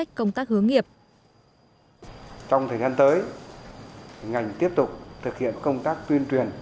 trong thời gian tới ngành tiếp tục thực hiện công tác tuyên truyền